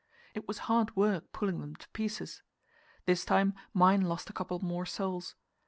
It was hard work pulling them to pieces. This time mine lost a couple more soles.